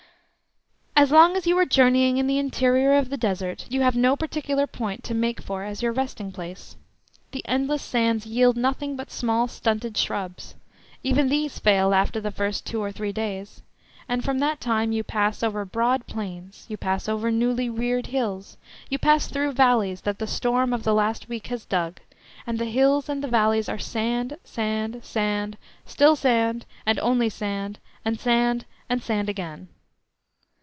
As long as you are journeying in the interior of the Desert you have no particular point to make for as your resting place. The endless sands yield nothing but small stunted shrubs; even these fail after the first two or three days, and from that time you pass over broad plains, you pass over newly reared hills, you pass through valleys that the storm of the last week has dug, and the hills and the valleys are sand, sand, sand, still sand, and only sand, and sand and sand again.